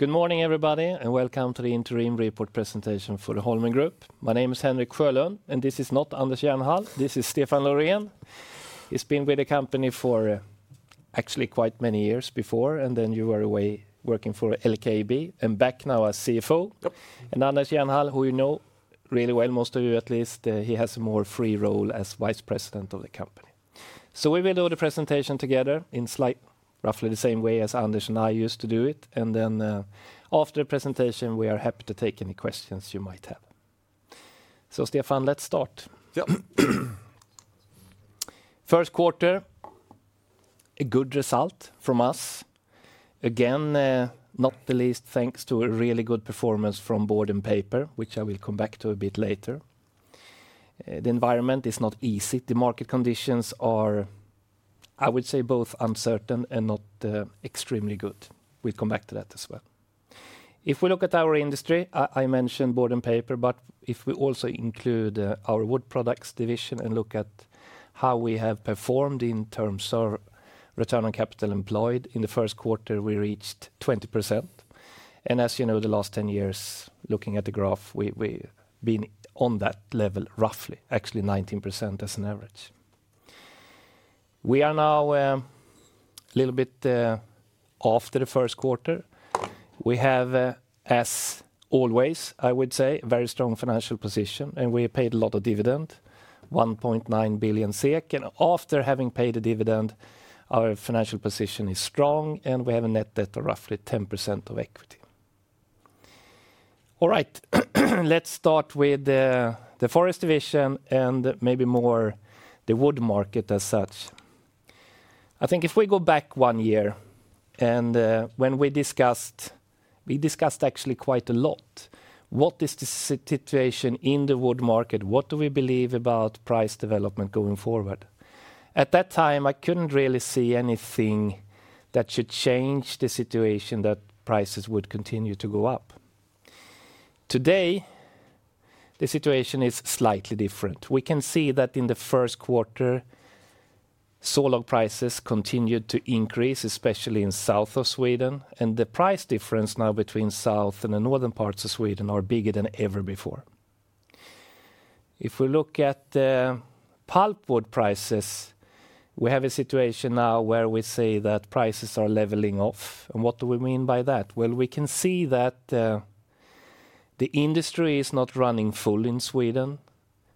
Good morning, everybody, and welcome to the interim report presentation for the Holmen Group. My name is Henrik Sjölund, and this is not Anders Jernhall; this is Stefan Loréhn. He's been with the company for actually quite many years before, and then you were away working for LKAB and back now as CFO. Anders Jernhall, who you know really well, most of you at least, he has a more free role as Vice President of the company. We will do the presentation together in slightly roughly the same way as Anders and I used to do it. After the presentation, we are happy to take any questions you might have. Stefan, let's start. Yeah. First quarter, a good result from us. Again, not the least thanks to a really good performance from board and paper, which I will come back to a bit later. The environment is not easy. The market conditions are, I would say, both uncertain and not extremely good. We'll come back to that as well. If we look at our industry, I mentioned board and paper, but if we also include our wood products division and look at how we have performed in terms of return on capital employed, in the first quarter we reached 20%. And as you know, the last 10 years, looking at the graph, we've been on that level roughly, actually 19% as an average. We are now a little bit after the first quarter. We have, as always, I would say, a very strong financial position, and we paid a lot of dividend, 1.9 billion. After having paid the dividend, our financial position is strong, and we have a net debt of roughly 10% of equity. All right, let's start with the forest division and maybe more the wood market as such. I think if we go back one year and when we discussed, we discussed actually quite a lot. What is the situation in the wood market? What do we believe about price development going forward? At that time, I could not really see anything that should change the situation that prices would continue to go up. Today, the situation is slightly different. We can see that in the first quarter, sawlog prices continued to increase, especially in south of Sweden. The price difference now between south and the northern parts of Sweden are bigger than ever before. If we look at pulpwood prices, we have a situation now where we say that prices are leveling off. What do we mean by that? We can see that the industry is not running full in Sweden.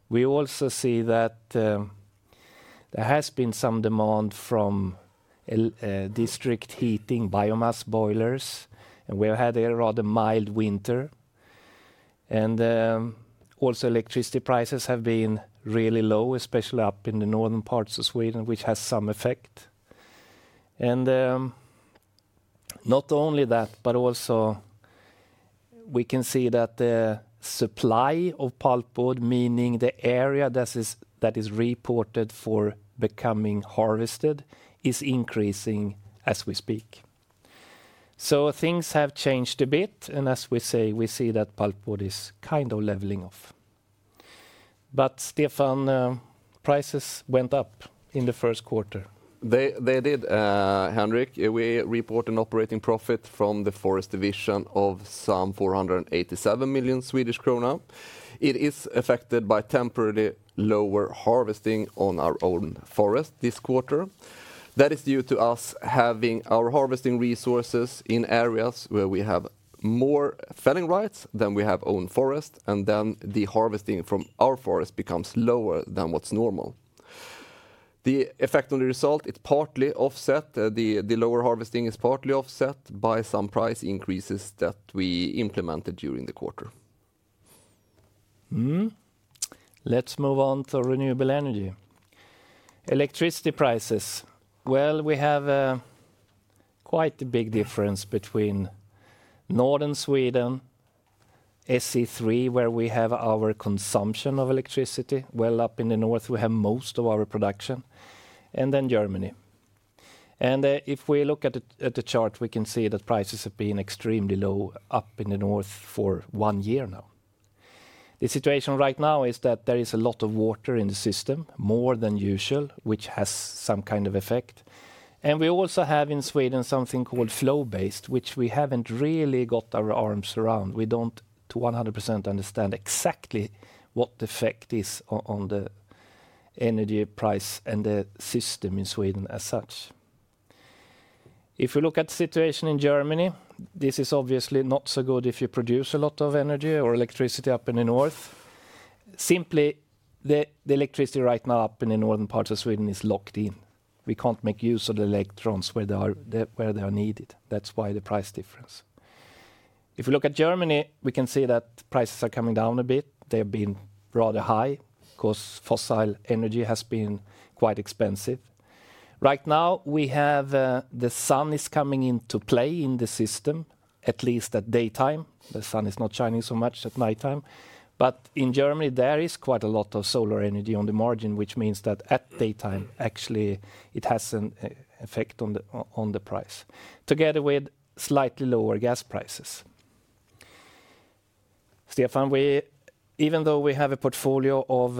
We also see that there has been some demand from district heating biomass boilers, and we have had a rather mild winter. Also, electricity prices have been really low, especially up in the northern parts of Sweden, which has some effect. Not only that, but we can see that the supply of pulpwood, meaning the area that is reported for becoming harvested, is increasing as we speak. Things have changed a bit, and as we say, we see that pulpwood is kind of leveling off. Stefan, prices went up in the first quarter. They did, Henrik. We report an operating profit from the forest division of some 487 million Swedish krona. It is affected by temporarily lower harvesting on our own forest this quarter. That is due to us having our harvesting resources in areas where we have more felling rights than we have own forest, and then the harvesting from our forest becomes lower than what's normal. The effect on the result, it's partly offset. The lower harvesting is partly offset by some price increases that we implemented during the quarter. Let's move on to renewable energy. Electricity prices, we have quite a big difference between northern Sweden, SE3, where we have our consumption of electricity. Up in the north we have most of our production, and then Germany. If we look at the chart, we can see that prices have been extremely low up in the north for one year now. The situation right now is that there is a lot of water in the system, more than usual, which has some kind of effect. We also have in Sweden something called flow-based, which we haven't really got our arms around. We do not 100% understand exactly what the effect is on the energy price and the system in Sweden as such. If we look at the situation in Germany, this is obviously not so good if you produce a lot of energy or electricity up in the north. Simply, the electricity right now up in the northern parts of Sweden is locked in. We can't make use of the electrons where they are needed. That's why the price difference. If we look at Germany, we can see that prices are coming down a bit. They have been rather high because fossil energy has been quite expensive. Right now, we have the sun is coming into play in the system, at least at daytime. The sun is not shining so much at nighttime. But in Germany, there is quite a lot of solar energy on the margin, which means that at daytime, actually, it has an effect on the price, together with slightly lower gas prices. Stefan, even though we have a portfolio of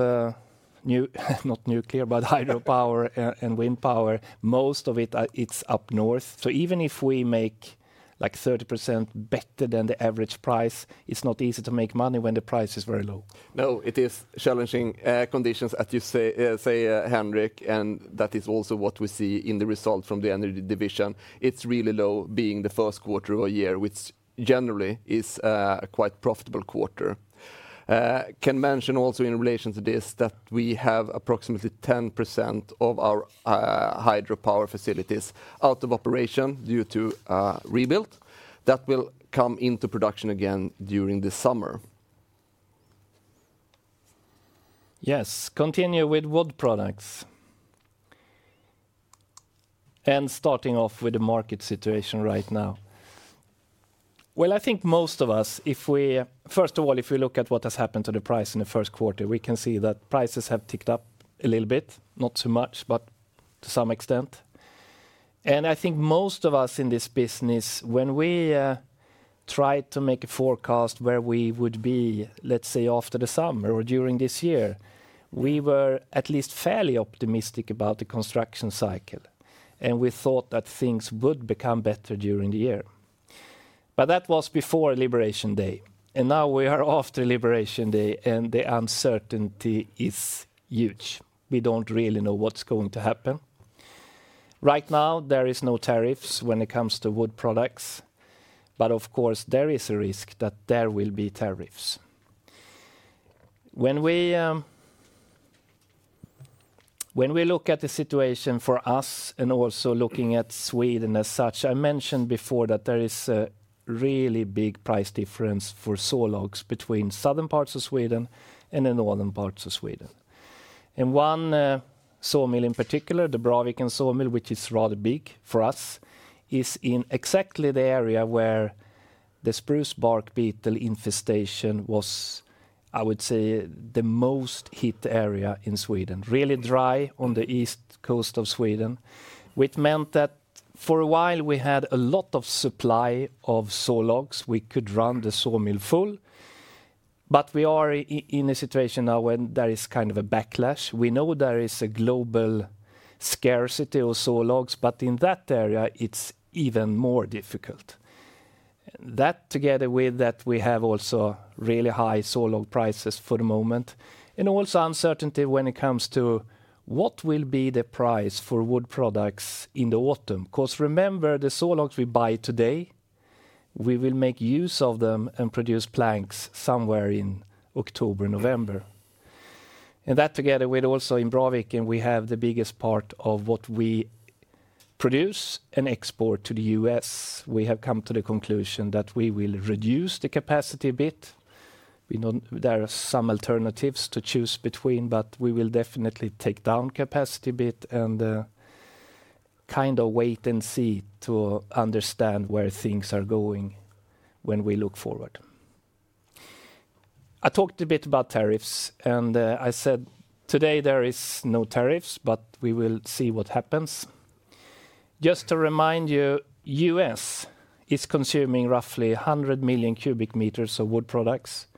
not nuclear, but hydropower and wind power, most of it, it's up north. Even if we make like 30% better than the average price, it's not easy to make money when the price is very low. No, it is challenging conditions, as you say, Henrik, and that is also what we see in the result from the energy division. It is really low being the first quarter of a year, which generally is a quite profitable quarter. Can mention also in relation to this that we have approximately 10% of our hydropower facilities out of operation due to rebuild that will come into production again during the summer. Yes, continue with wood products. Starting off with the market situation right now. I think most of us, if we, first of all, if we look at what has happened to the price in the first quarter, we can see that prices have ticked up a little bit, not so much, but to some extent. I think most of us in this business, when we tried to make a forecast where we would be, let's say, after the summer or during this year, we were at least fairly optimistic about the construction cycle. We thought that things would become better during the year. That was before Liberation Day. Now we are after Liberation Day, and the uncertainty is huge. We do not really know what's going to happen. Right now, there are no tariffs when it comes to wood products. Of course, there is a risk that there will be tariffs. When we look at the situation for us and also looking at Sweden as such, I mentioned before that there is a really big price difference for sawlogs between southern parts of Sweden and the northern parts of Sweden. One sawmill in particular, the Braviken sawmill, which is rather big for us, is in exactly the area where the spruce bark beetle infestation was, I would say, the most hit area in Sweden. Really dry on the east coast of Sweden, which meant that for a while we had a lot of supply of sawlogs. We could run the sawmill full. We are in a situation now where there is kind of a backlash. We know there is a global scarcity of sawlogs, but in that area, it's even more difficult. That together with that, we have also really high sawlog prices for the moment. Also, uncertainty when it comes to what will be the price for wood products in the autumn. Because remember, the sawlogs we buy today, we will make use of them and produce planks somewhere in October, November. That together with also in Braviken, we have the biggest part of what we produce and export to the U.S. We have come to the conclusion that we will reduce the capacity a bit. There are some alternatives to choose between, but we will definitely take down capacity a bit and kind of wait and see to understand where things are going when we look forward. I talked a bit about tariffs, and I said today there are no tariffs, but we will see what happens. Just to remind you, the U.S. is consuming roughly 100 million cubic meters of wood products.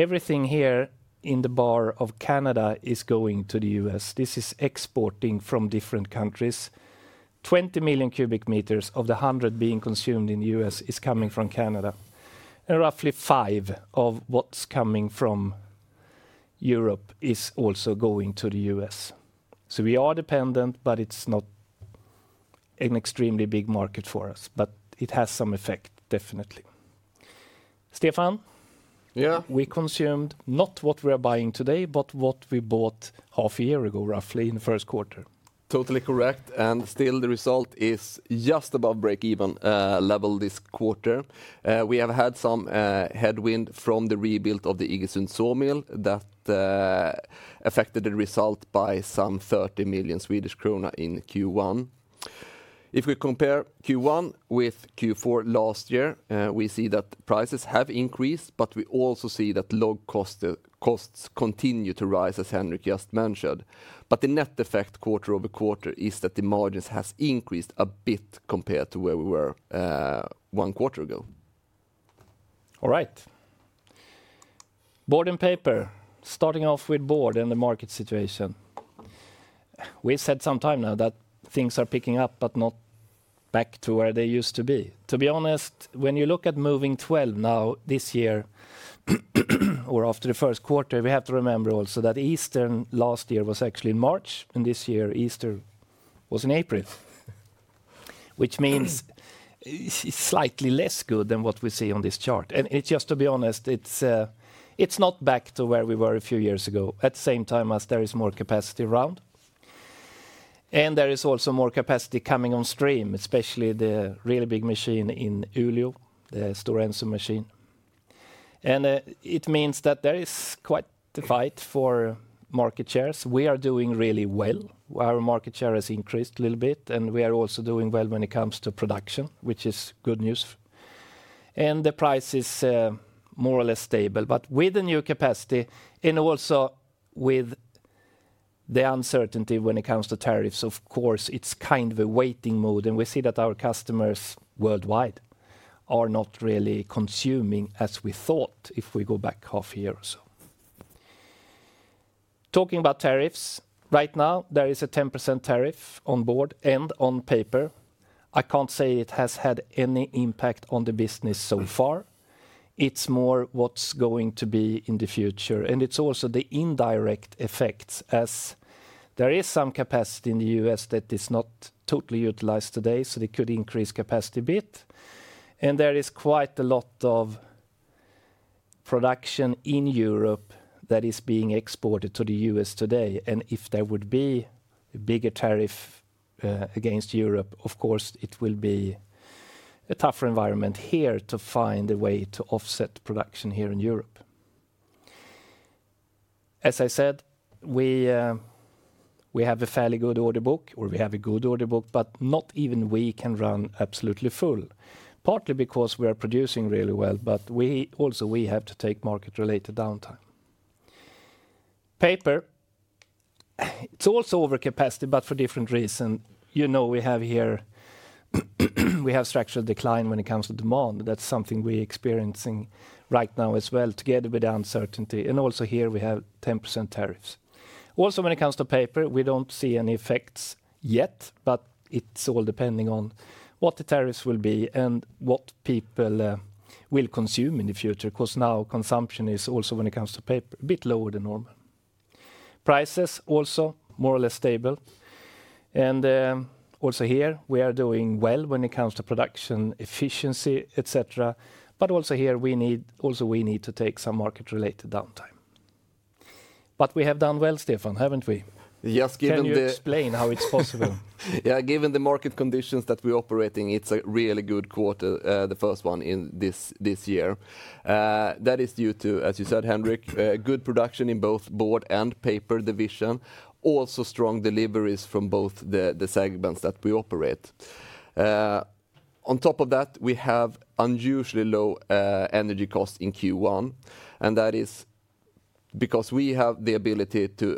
Everything here in the bar of Canada is going to the U.S. This is exporting from different countries. Twenty million cubic meters of the 100 being consumed in the U.S. is coming from Canada. And roughly five of what's coming from Europe is also going to the U.S. We are dependent, but it's not an extremely big market for us, but it has some effect, definitely. Stefan. Yeah. We consumed not what we are buying today, but what we bought half a year ago, roughly in the first quarter. Totally correct. Still, the result is just above break-even level this quarter. We have had some headwind from the rebuild of the Iggesund sawmill that affected the result by some 30 million Swedish krona in Q1. If we compare Q1 with Q4 last year, we see that prices have increased, but we also see that log costs continue to rise, as Henrik just mentioned. The net effect quarter over quarter is that the margins have increased a bit compared to where we were one quarter ago. All right. Board and paper, starting off with board and the market situation. We said some time now that things are picking up, but not back to where they used to be. To be honest, when you look at moving 12 now this year or after the first quarter, we have to remember also that Easter last year was actually in March, and this year Easter was in April, which means slightly less good than what we see on this chart. To be honest, it is not back to where we were a few years ago, at the same time as there is more capacity around. There is also more capacity coming on stream, especially the really big machine in Oulu, the Stora Enso machine. It means that there is quite a fight for market shares. We are doing really well. Our market share has increased a little bit, and we are also doing well when it comes to production, which is good news. The price is more or less stable. With the new capacity and also with the uncertainty when it comes to tariffs, of course, it is kind of a waiting mode. We see that our customers worldwide are not really consuming as we thought if we go back half a year or so. Talking about tariffs, right now there is a 10% tariff on board and on paper. I cannot say it has had any impact on the business so far. It is more what is going to be in the future. It is also the indirect effects as there is some capacity in the U.S. that is not totally utilized today, so they could increase capacity a bit. There is quite a lot of production in Europe that is being exported to the U.S. today. If there would be a bigger tariff against Europe, of course, it will be a tougher environment here to find a way to offset production here in Europe. As I said, we have a fairly good order book, or we have a good order book, but not even we can run absolutely full, partly because we are producing really well, but also we have to take market-related downtime. Paper, it's also overcapacity, but for different reasons. You know, we have here, we have structural decline when it comes to demand. That's something we are experiencing right now as well, together with the uncertainty. Also here we have 10% tariffs. Also, when it comes to paper, we do not see any effects yet, but it is all depending on what the tariffs will be and what people will consume in the future, because now consumption is also, when it comes to paper, a bit lower than normal. Prices also more or less stable. We are doing well when it comes to production efficiency, etc. We need to take some market-related downtime. We have done well, Stefan, have we not? Yes, given the. Can you explain how it's possible? Yeah, given the market conditions that we're operating, it's a really good quarter, the first one in this year. That is due to, as you said, Henrik, good production in both board and paper division, also strong deliveries from both the segments that we operate. On top of that, we have unusually low energy costs in Q1. That is because we have the ability to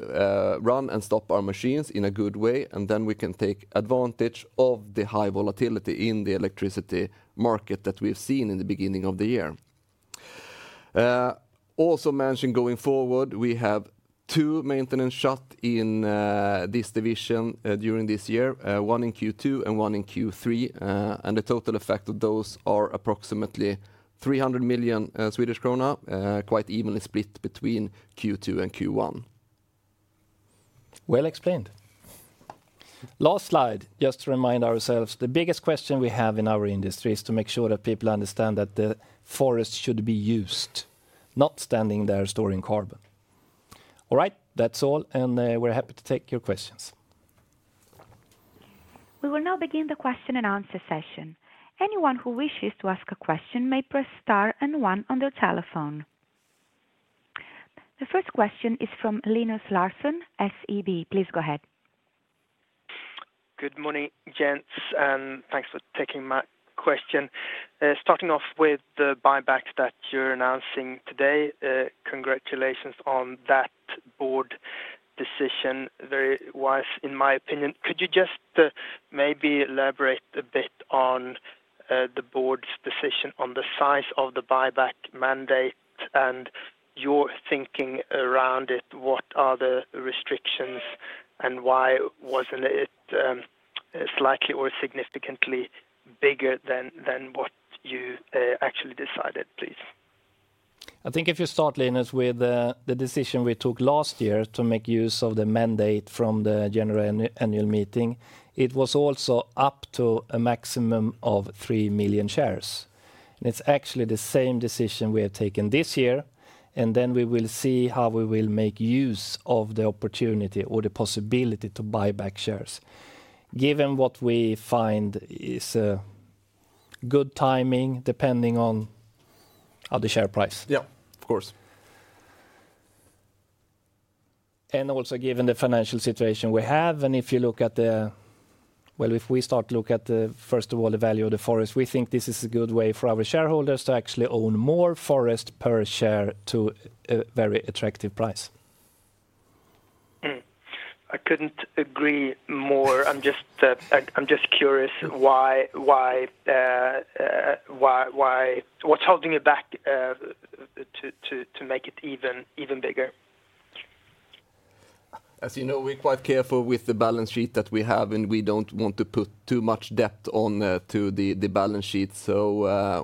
run and stop our machines in a good way, and then we can take advantage of the high volatility in the electricity market that we've seen in the beginning of the year. Also mentioned going forward, we have two maintenance shots in this division during this year, one in Q2 and one in Q3. The total effect of those are approximately 300 million Swedish krona, quite evenly split between Q2 and Q3. Explained. Last slide, just to remind ourselves, the biggest question we have in our industry is to make sure that people understand that the forest should be used, not standing there storing carbon. All right, that's all, and we're happy to take your questions. We will now begin the question and answer session. Anyone who wishes to ask a question may press star and one on their telephone. The first question is from Linus Larsson, SEB. Please go ahead. Good morning, gents, and thanks for taking my question. Starting off with the buyback that you're announcing today, congratulations on that board decision. Very wise, in my opinion. Could you just maybe elaborate a bit on the board's decision on the size of the buyback mandate and your thinking around it? What are the restrictions and why wasn't it slightly or significantly bigger than what you actually decided, please? I think if you start, Linus, with the decision we took last year to make use of the mandate from the general annual meeting, it was also up to a maximum of 3 million shares. It is actually the same decision we have taken this year, and then we will see how we will make use of the opportunity or the possibility to buy back shares, given what we find is good timing, depending on the share price. Yeah, of course. Given the financial situation we have, if you look at the, if we start to look at the, first of all, the value of the forest, we think this is a good way for our shareholders to actually own more forest per share at a very attractive price. I couldn't agree more. I'm just curious what's holding you back to make it even bigger? As you know, we're quite careful with the balance sheet that we have, and we don't want to put too much debt onto the balance sheet.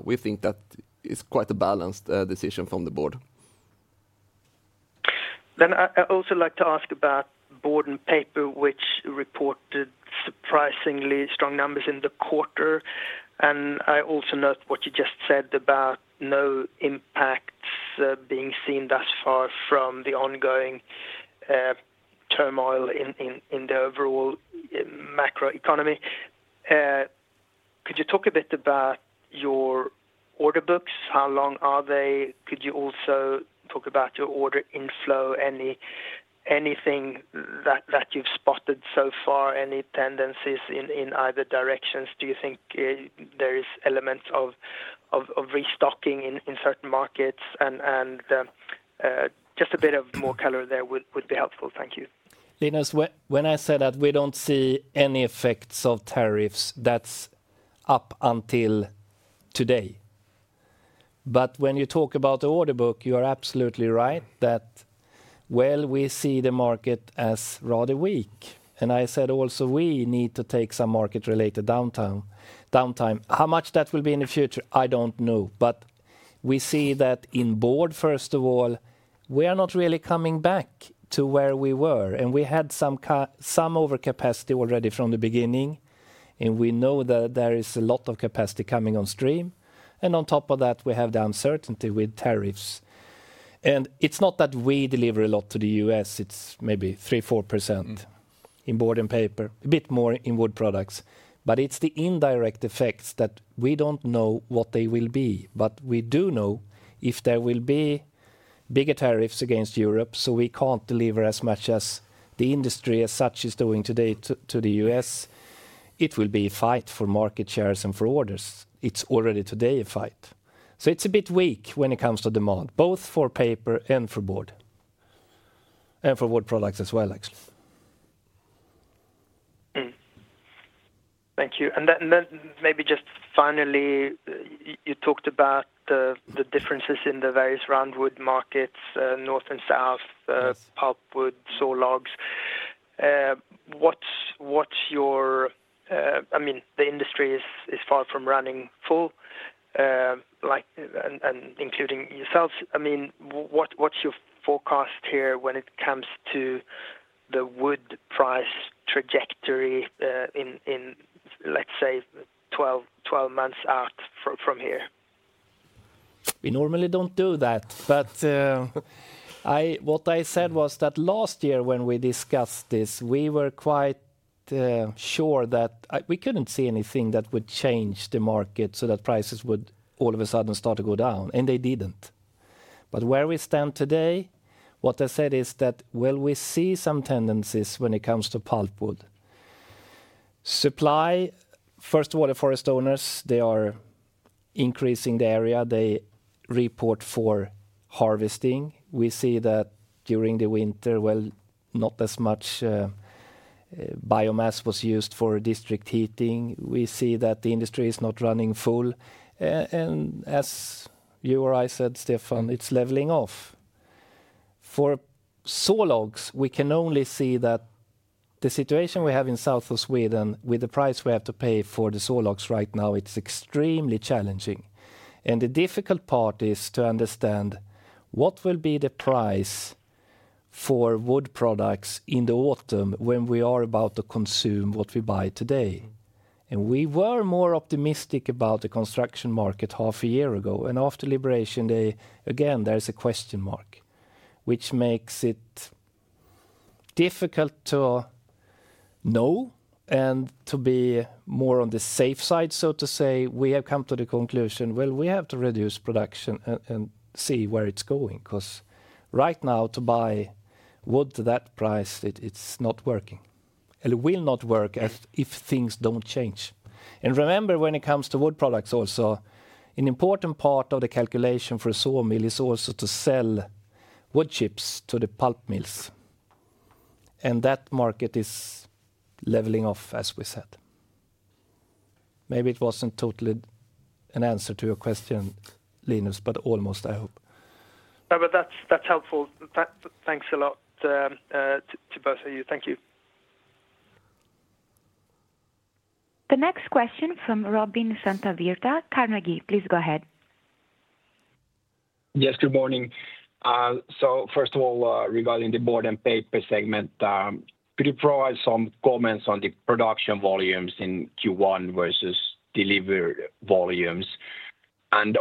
We think that it's quite a balanced decision from the board. I'd also like to ask about board and paper, which reported surprisingly strong numbers in the quarter. I also note what you just said about no impacts being seen thus far from the ongoing turmoil in the overall macroeconomy. Could you talk a bit about your order books? How long are they? Could you also talk about your order inflow, anything that you've spotted so far, any tendencies in either direction? Do you think there are elements of restocking in certain markets? Just a bit more color there would be helpful. Thank you. Linus, when I said that we do not see any effects of tariffs, that is up until today. You are absolutely right that we see the market as rather weak. I said also we need to take some market-related downtime. How much that will be in the future, I do not know. We see that in board, first of all, we are not really coming back to where we were. We had some overcapacity already from the beginning. We know that there is a lot of capacity coming on stream. On top of that, we have the uncertainty with tariffs. It is not that we deliver a lot to the U.S. It is maybe 3%-4% in board and paper, a bit more in wood products. It is the indirect effects that we do not know what they will be. We do know if there will be bigger tariffs against Europe, so we can't deliver as much as the industry, as such is doing today to the U.S., it will be a fight for market shares and for orders. It is already today a fight. It is a bit weak when it comes to demand, both for paper and for board. For wood products as well, actually. Thank you. Maybe just finally, you talked about the differences in the various roundwood markets, north and south, pulpwood, sawlogs. What's your, I mean, the industry is far from running full, including yourselves. I mean, what's your forecast here when it comes to the wood price trajectory in, let's say, 12 months out from here? We normally do not do that. What I said was that last year when we discussed this, we were quite sure that we could not see anything that would change the market so that prices would all of a sudden start to go down. They did not. Where we stand today, what I said is that we see some tendencies when it comes to pulpwood. Supply, first of all, the forest owners are increasing the area they report for harvesting. We see that during the winter, not as much biomass was used for district heating. We see that the industry is not running full. As you or I said, Stefan, it is leveling off. For sawlogs, we can only see that the situation we have in south of Sweden with the price we have to pay for the sawlogs right now is extremely challenging. The difficult part is to understand what will be the price for wood products in the autumn when we are about to consume what we buy today. We were more optimistic about the construction market half a year ago. After Liberation Day, again, there is a question mark, which makes it difficult to know and to be more on the safe side, so to say. We have come to the conclusion we have to reduce production and see where it is going, because right now to buy wood at that price, it is not working. It will not work if things do not change. Remember, when it comes to wood products also, an important part of the calculation for a sawmill is also to sell wood chips to the pulp mills. That market is leveling off, as we said. Maybe it was not totally an answer to your question, Linus, but almost, I hope. No, but that's helpful. Thanks a lot to both of you. Thank you. The next question from Robin Santavirta, Carnegie, please go ahead. Yes, good morning. First of all, regarding the board and paper segment, could you provide some comments on the production volumes in Q1 versus delivery volumes?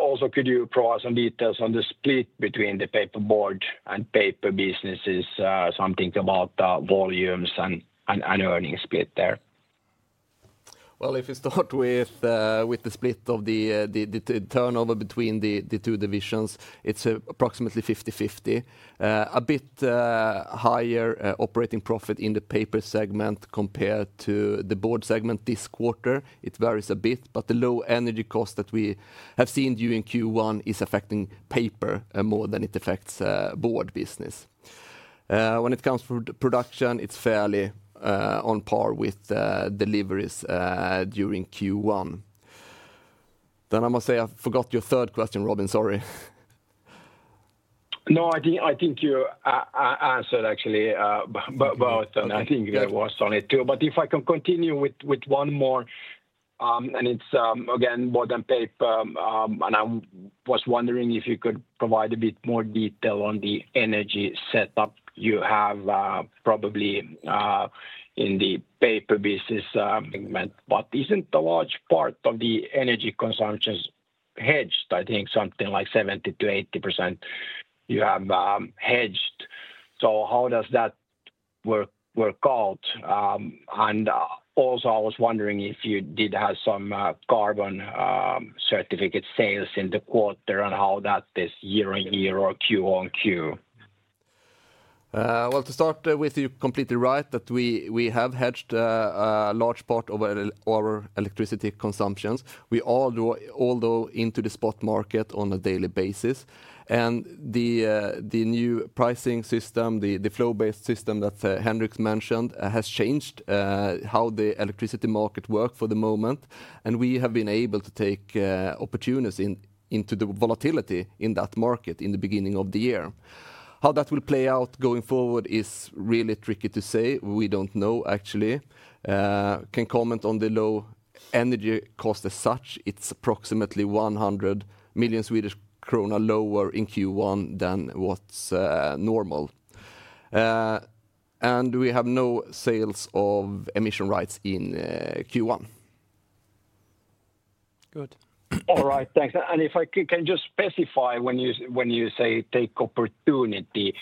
Also, could you provide some details on the split between the paperboard and paper businesses, something about volumes and earnings split there? If you start with the split of the turnover between the two divisions, it's approximately 50-50. A bit higher operating profit in the paper segment compared to the board segment this quarter. It varies a bit, but the low energy cost that we have seen during Q1 is affecting paper more than it affects board business. When it comes to production, it's fairly on par with deliveries during Q1. I must say, I forgot your third question, Robin, sorry. No, I think you answered actually both, and I think there was only two. If I can continue with one more, it's again board and paper, and I was wondering if you could provide a bit more detail on the energy setup you have probably in the paper business segment, but isn't a large part of the energy consumption hedged, I think something like 70-80% you have hedged. How does that work out? I was also wondering if you did have some carbon certificate sales in the quarter and how that is year on year or Q on Q. You are completely right that we have hedged a large part of our electricity consumptions. We all go into the spot market on a daily basis. The new pricing system, the flow-based system that Henrik mentioned, has changed how the electricity market works for the moment. We have been able to take opportunities in the volatility in that market in the beginning of the year. How that will play out going forward is really tricky to say. We do not know, actually. Can comment on the low energy cost as such. It is approximately 100 million Swedish krona lower in Q1 than what is normal. We have no sales of emission rights in Q1. Good. All right, thanks. If I can just specify, when you say take opportunity,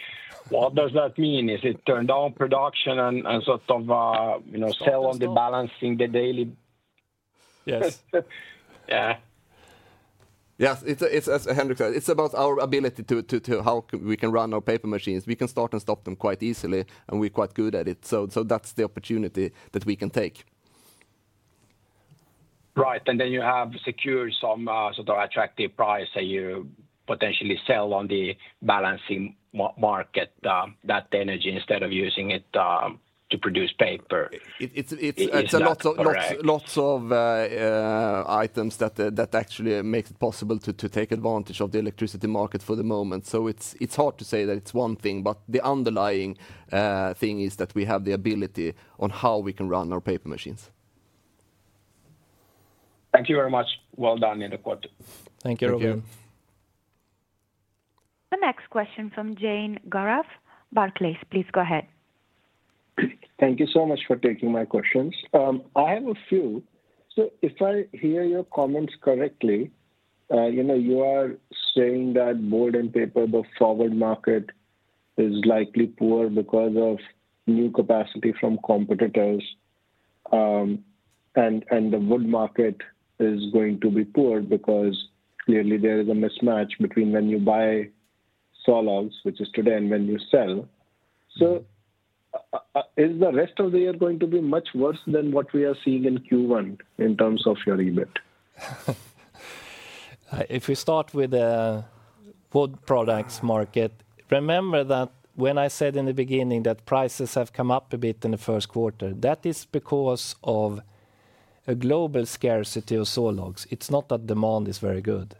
what does that mean? Is it turn down production and sort of sell on the balancing, the daily? Yes. Yeah. Yes, as Henrik said, it's about our ability to how we can run our paper machines. We can start and stop them quite easily, and we're quite good at it. So that's the opportunity that we can take. Right. You have secured some sort of attractive price that you potentially sell on the balancing market that energy instead of using it to produce paper. It's lots of items that actually make it possible to take advantage of the electricity market for the moment. It's hard to say that it's one thing, but the underlying thing is that we have the ability on how we can run our paper machines. Thank you very much. Well done in the quarter. Thank you, Robin. The next question from Jane Gorham, Barclays, please go ahead. Thank you so much for taking my questions. I have a few. If I hear your comments correctly, you are saying that board and paper, the forward market is likely poor because of new capacity from competitors. The wood market is going to be poor because clearly there is a mismatch between when you buy sawlogs, which is today, and when you sell. Is the rest of the year going to be much worse than what we are seeing in Q1 in terms of your EBIT? If we start with the wood products market, remember that when I said in the beginning that prices have come up a bit in the first quarter, that is because of a global scarcity of sawlogs. It's not that demand is very good.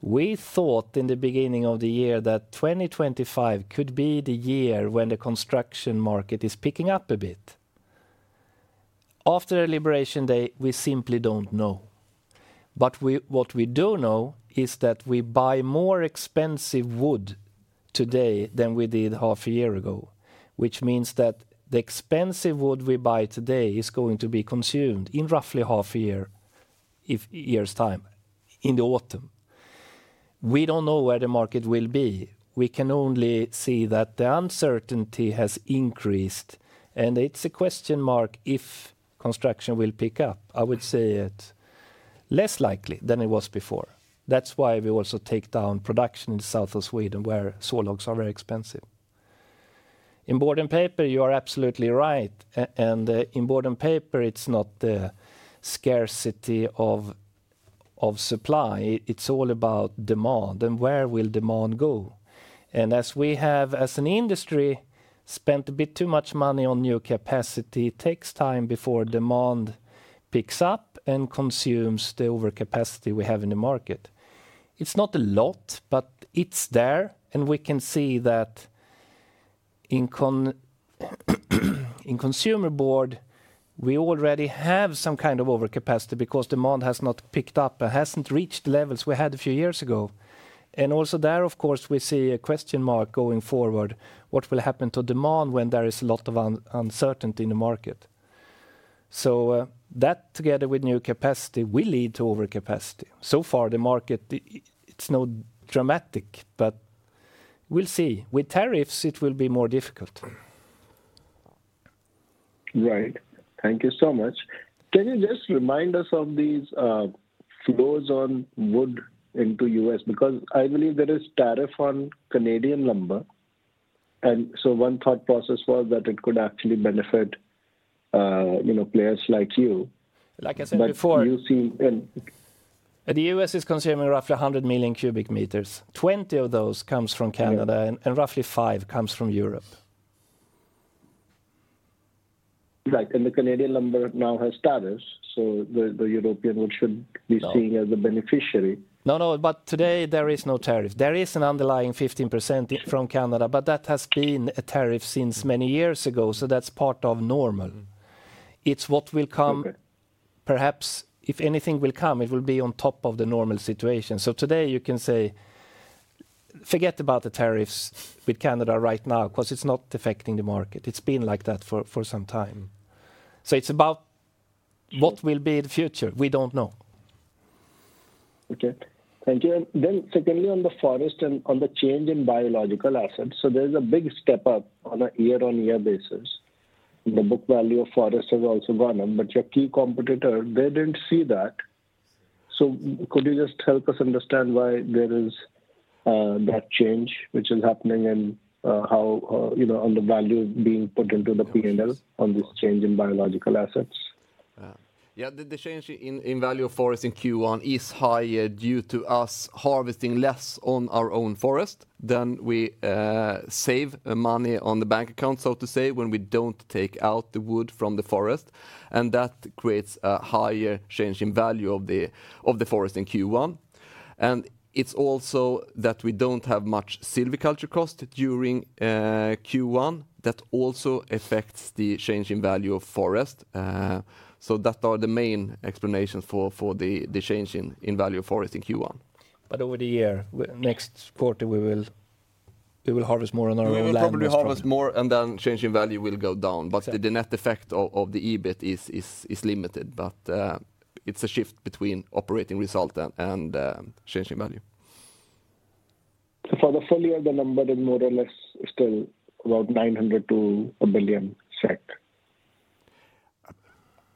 We thought in the beginning of the year that 2025 could be the year when the construction market is picking up a bit. After a Liberation Day, we simply don't know. What we do know is that we buy more expensive wood today than we did half a year ago, which means that the expensive wood we buy today is going to be consumed in roughly half a year's time in the autumn. We don't know where the market will be. We can only see that the uncertainty has increased. It's a question mark if construction will pick up. I would say it's less likely than it was before. That's why we also take down production in the south of Sweden where sawlogs are very expensive. In board and paper, you are absolutely right. In board and paper, it's not the scarcity of supply. It's all about demand. Where will demand go? As we have, as an industry, spent a bit too much money on new capacity, it takes time before demand picks up and consumes the overcapacity we have in the market. It's not a lot, but it's there. We can see that in consumer board, we already have some kind of overcapacity because demand has not picked up and hasn't reached the levels we had a few years ago. Also there, of course, we see a question mark going forward. What will happen to demand when there is a lot of uncertainty in the market? That, together with new capacity, will lead to overcapacity. So far, the market, it's not dramatic, but we'll see. With tariffs, it will be more difficult. Right. Thank you so much. Can you just remind us of these flows on wood into the U.S.? Because I believe there is a tariff on Canadian lumber. One thought process was that it could actually benefit players like you. Like I said before. The U.S. is consuming roughly 100 million cubic meters. 20 of those comes from Canada and roughly five comes from Europe. Right. The Canadian lumber now has tariffs, so the European wood should be seen as a beneficiary. No, no, but today there is no tariff. There is an underlying 15% from Canada, but that has been a tariff since many years ago. That is part of normal. It is what will come. Perhaps if anything will come, it will be on top of the normal situation. Today you can say, forget about the tariffs with Canada right now, because it is not affecting the market. It has been like that for some time. It is about what will be the future. We do not know. Okay. Thank you. Then secondly, on the forest and on the change in biological assets. There is a big step up on a year-on-year basis. The book value of forest has also gone up, but your key competitor, they did not see that. Could you just help us understand why there is that change, which is happening and how on the value being put into the P&L on this change in biological assets? Yeah, the change in value of forest in Q1 is higher due to us harvesting less on our own forest. We save money on the bank account, so to say, when we do not take out the wood from the forest. That creates a higher change in value of the forest in Q1. It is also that we do not have much silviculture cost during Q1. That also affects the change in value of forest. Those are the main explanations for the change in value of forest in Q1. Over the year, next quarter, we will harvest more on our own land. We will probably harvest more, and then change in value will go down. The net effect of the EBIT is limited. It is a shift between operating result and change in value. For the full year of the lumber, then more or less still about 900 million to 1 billion SEK.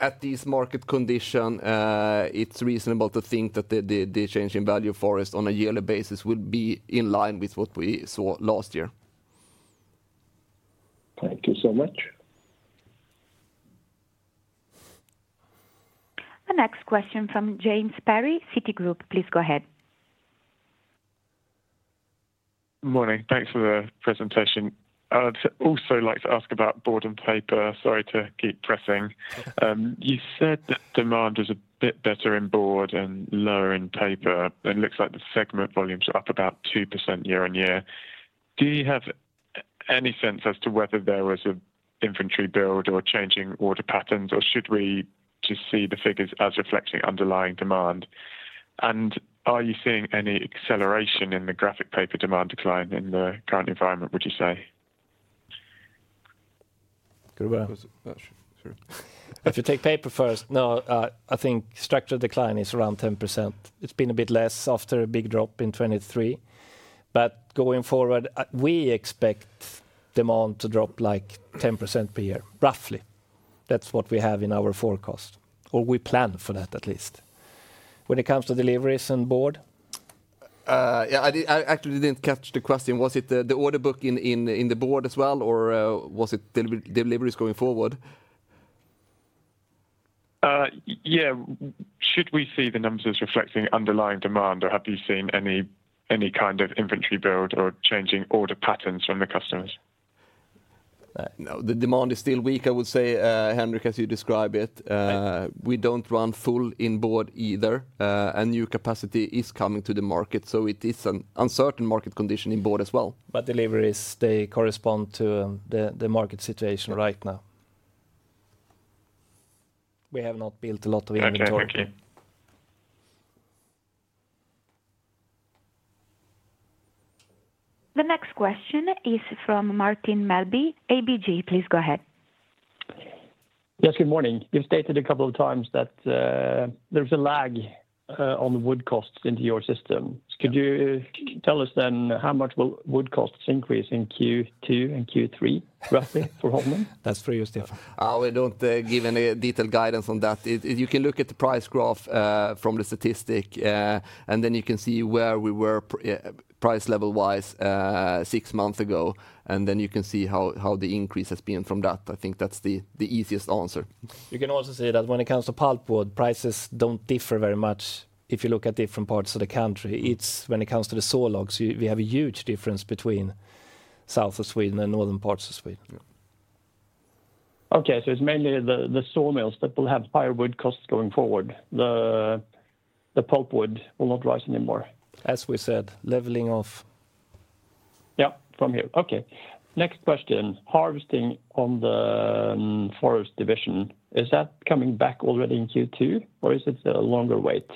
At this market condition, it's reasonable to think that the change in value of forest on a yearly basis will be in line with what we saw last year. Thank you so much. The next question from James Perry, Citigroup. Please go ahead. Morning. Thanks for the presentation. I'd also like to ask about board and paper. Sorry to keep pressing. You said that demand is a bit better in board and lower in paper. It looks like the segment volumes are up about 2% year on year. Do you have any sense as to whether there was an inventory build or changing order patterns, or should we just see the figures as reflecting underlying demand? Are you seeing any acceleration in the graphic paper demand decline in the current environment, would you say? If you take paper first, no, I think structure decline is around 10%. It's been a bit less after a big drop in 2023. But going forward, we expect demand to drop like 10% per year, roughly. That's what we have in our forecast, or we plan for that at least. When it comes to deliveries and board? Yeah. I actually didn't catch the question. Was it the order book in the board as well, or was it deliveries going forward? Yeah. Should we see the numbers reflecting underlying demand, or have you seen any kind of inventory build or changing order patterns from the customers? No. The demand is still weak, I would say, Henrik, as you describe it. We do not run full in board either. New capacity is coming to the market. It is an uncertain market condition in board as well. Deliveries, they correspond to the market situation right now. We have not built a lot of inventory. The next question is from Martin Melby. ABG, please go ahead. Yes, good morning. You've stated a couple of times that there was a lag on wood costs into your system. Could you tell us then how much will wood costs increase in Q2 and Q3, roughly, for Holmen? That's for you, Stefan. We don't give any detailed guidance on that. You can look at the price graph from the statistic, and then you can see where we were price level-wise six months ago. You can see how the increase has been from that. I think that's the easiest answer. You can also see that when it comes to pulpwood, prices do not differ very much if you look at different parts of the country. It is when it comes to the sawlogs, we have a huge difference between south of Sweden and northern parts of Sweden. Okay. So it's mainly the sawmills that will have higher wood costs going forward. The pulpwood will not rise anymore. As we said, leveling off. Yeah, from here. Okay. Next question. Harvesting on the forest division, is that coming back already in Q2, or is it a longer wait?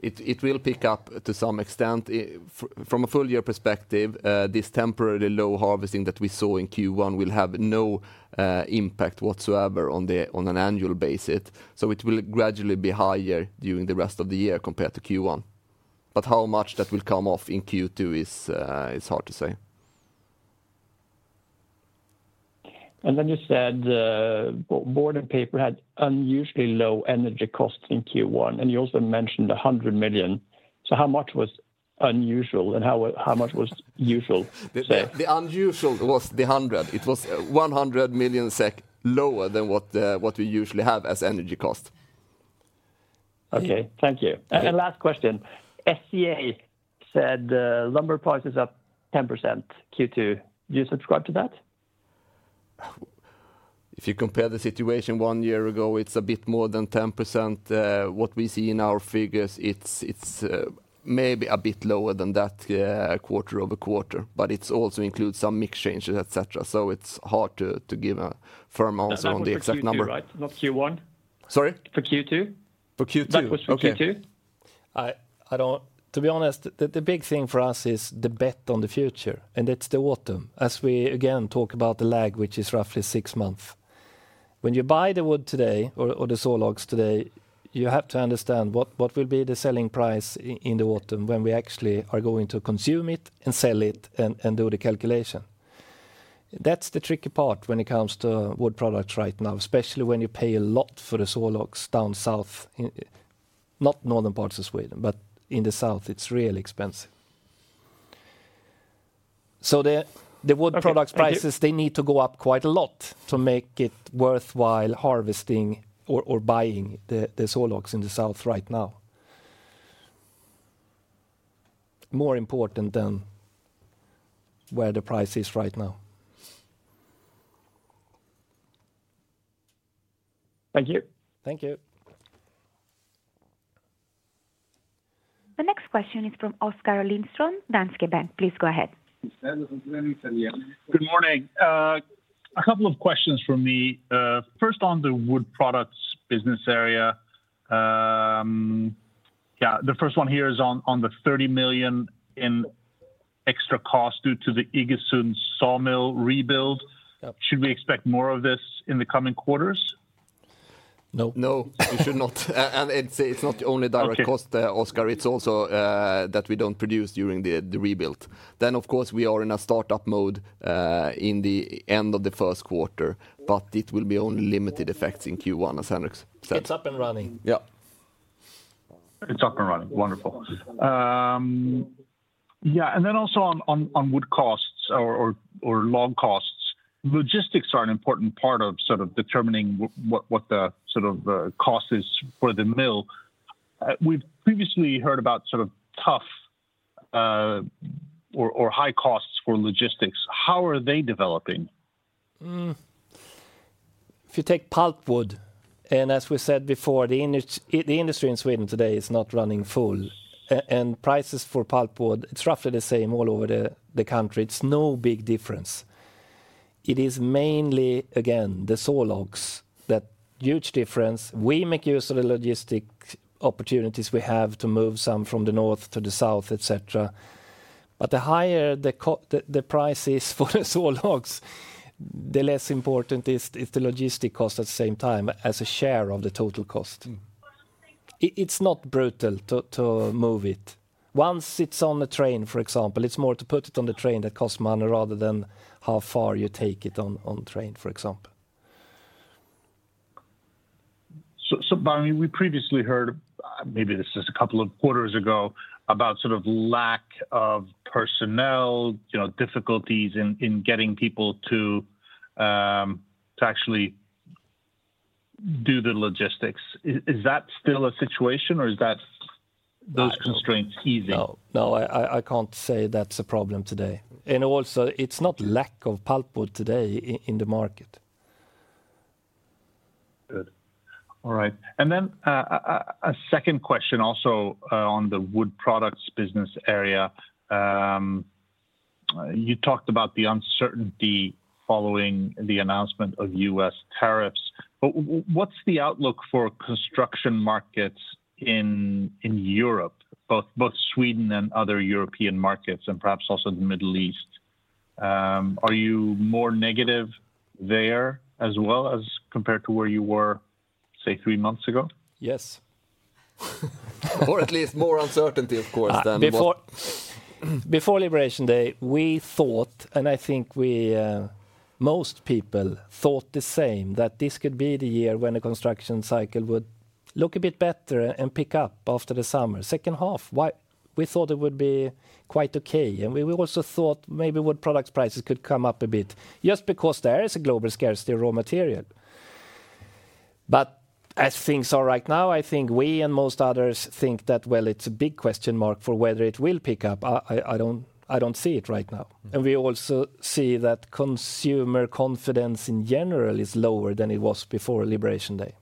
It will pick up to some extent. From a full year perspective, this temporary low harvesting that we saw in Q1 will have no impact whatsoever on an annual basis. It will gradually be higher during the rest of the year compared to Q1. How much that will come off in Q2 is hard to say. You said board and paper had unusually low energy costs in Q1. You also mentioned 100 million. How much was unusual and how much was usual? The unusual was the 100. It was 100 million SEK lower than what we usually have as energy costs. Okay. Thank you. Last question. SCA said lumber prices up 10% Q2. Do you subscribe to that? If you compare the situation one year ago, it's a bit more than 10%. What we see in our figures, it's maybe a bit lower than that quarter over quarter. It also includes some mixed changes, etc. It's hard to give a firm answer on the exact number. Q2, right? Not Q1? Sorry? For Q2? For Q2. That was for Q2? To be honest, the big thing for us is the bet on the future. It is the autumn. As we again talk about the lag, which is roughly six months. When you buy the wood today or the sawlogs today, you have to understand what will be the selling price in the autumn when we actually are going to consume it and sell it and do the calculation. That is the tricky part when it comes to wood products right now, especially when you pay a lot for the sawlogs down south, not northern parts of Sweden, but in the south, it is really expensive. The wood products prices, they need to go up quite a lot to make it worthwhile harvesting or buying the sawlogs in the south right now. More important than where the price is right now. Thank you. Thank you. The next question is from Oscar Lindström, Danske Bank. Please go ahead. Good morning. A couple of questions for me. First on the wood products business area. Yeah, the first one here is on the 30 million in extra cost due to the Iggesund sawmill rebuild. Should we expect more of this in the coming quarters? No. No, we should not. It is not the only direct cost, Oscar. It is also that we do not produce during the rebuild. Of course, we are in a startup mode at the end of the first quarter, but it will be only limited effects in Q1, as Henrik said. It's up and running. Yeah. It's up and running. Wonderful. Yeah. And then also on wood costs or log costs, logistics are an important part of sort of determining what the sort of cost is for the mill. We've previously heard about sort of tough or high costs for logistics. How are they developing? If you take pulpwood, and as we said before, the industry in Sweden today is not running full. Prices for pulpwood, it's roughly the same all over the country. It's no big difference. It is mainly, again, the sawlogs that huge difference. We make use of the logistic opportunities we have to move some from the north to the south, etc. The higher the price is for the sawlogs, the less important is the logistic cost at the same time as a share of the total cost. It's not brutal to move it. Once it's on the train, for example, it's more to put it on the train that costs money rather than how far you take it on train, for example. We previously heard, maybe this is a couple of quarters ago, about sort of lack of personnel, difficulties in getting people to actually do the logistics. Is that still a situation, or are those constraints easing? No, I can't say that's a problem today. Also, it's not lack of pulpwood today in the market. Good. All right. A second question also on the wood products business area. You talked about the uncertainty following the announcement of U.S. tariffs. What is the outlook for construction markets in Europe, both Sweden and other European markets, and perhaps also the Middle East? Are you more negative there as well as compared to where you were, say, three months ago? Yes. Or at least more uncertainty, of course, than was. Before Liberation Day, we thought, and I think most people thought the same, that this could be the year when the construction cycle would look a bit better and pick up after the summer, second half. We thought it would be quite okay. We also thought maybe wood products prices could come up a bit, just because there is a global scarcity of raw material. As things are right now, I think we and most others think that, well, it's a big question mark for whether it will pick up. I do not see it right now. We also see that consumer confidence in general is lower than it was before Liberation Day.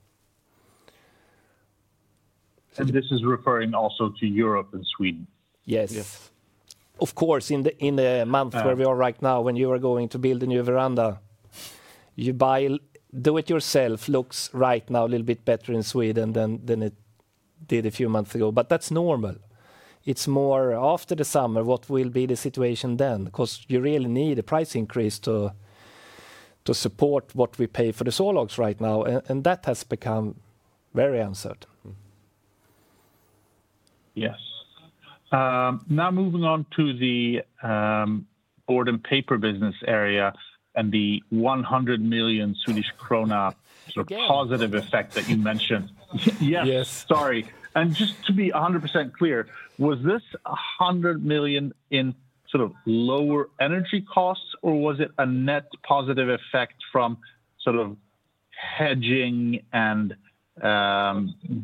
Is this referring also to Europe and Sweden? Yes. Of course, in the months where we are right now, when you are going to build a new veranda, do-it-yourself looks right now a little bit better in Sweden than it did a few months ago. That is normal. It is more after the summer, what will be the situation then, because you really need a price increase to support what we pay for the sawlogs right now. That has become very uncertain. Yes. Now moving on to the board and paper business area and the 100 million Swedish krona sort of positive effect that you mentioned. Yes. Yes. Sorry. Just to be 100% clear, was this 100 million in sort of lower energy costs, or was it a net positive effect from sort of hedging and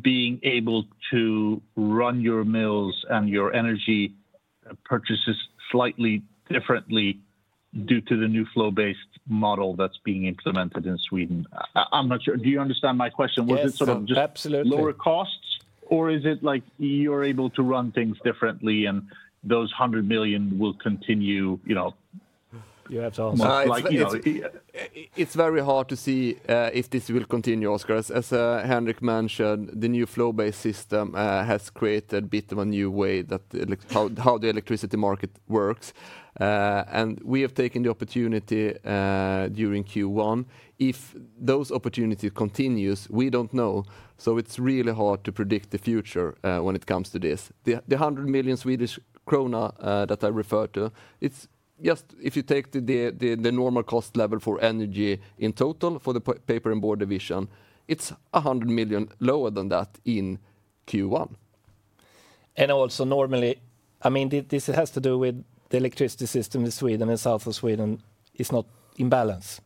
being able to run your mills and your energy purchases slightly differently due to the new flow-based model that is being implemented in Sweden? I'm not sure. Do you understand my question? Was it sort of just lower costs, or is it like you're able to run things differently and those 100 million will continue? You have to ask me. It's very hard to see if this will continue, Oscar. As Henrik mentioned, the new flow-based system has created a bit of a new way that how the electricity market works. We have taken the opportunity during Q1. If those opportunities continue, we don't know. It's really hard to predict the future when it comes to this. The 100 million Swedish krona that I referred to, it's just if you take the normal cost level for energy in total for the paper and board division, it's 100 million lower than that in Q1. Also, normally, I mean, this has to do with the electricity system in Sweden and south of Sweden is not in balance.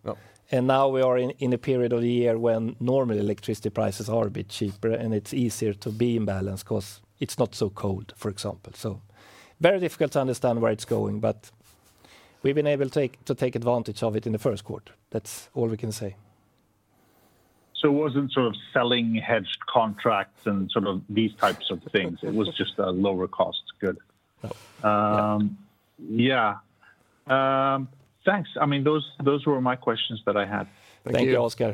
Now we are in a period of the year when normally electricity prices are a bit cheaper, and it is easier to be in balance because it is not so cold, for example. Very difficult to understand where it is going, but we have been able to take advantage of it in the first quarter. That is all we can say. It was not sort of selling hedged contracts and sort of these types of things. It was just a lower cost good. Yeah. Thanks. I mean, those were my questions that I had. Thank you, Oscar.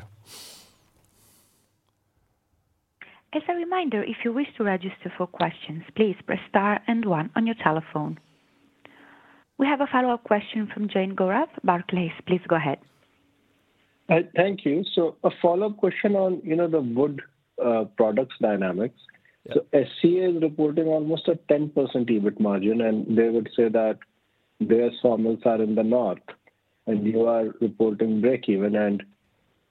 As a reminder, if you wish to register for questions, please press star and one on your telephone. We have a follow-up question from Jane Gorham Barclays. Please go ahead. Thank you. A follow-up question on the wood products dynamics. SCA is reporting almost a 10% EBIT margin, and they would say that their sawmills are in the north, and you are reporting breakeven, and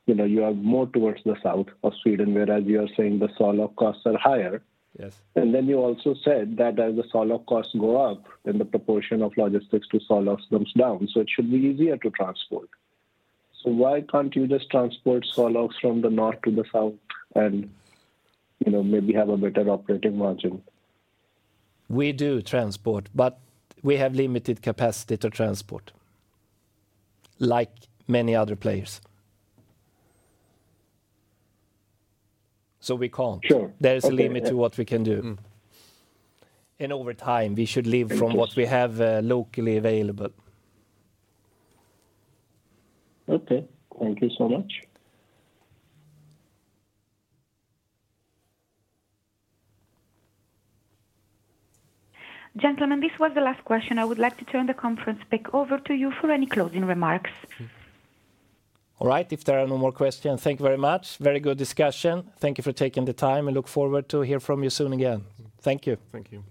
you are more towards the south of Sweden, whereas you are saying the sawlog costs are higher. You also said that as the sawlog costs go up, the proportion of logistics to sawlogs comes down. It should be easier to transport. Why cannot you just transport sawlogs from the north to the south and maybe have a better operating margin? We do transport, but we have limited capacity to transport, like many other players. We cannot. There is a limit to what we can do. Over time, we should live from what we have locally available. Okay. Thank you so much. Gentlemen, this was the last question. I would like to turn the conference speak over to you for any closing remarks. All right. If there are no more questions, thank you very much. Very good discussion. Thank you for taking the time. We look forward to hear from you soon again. Thank you. Thank you.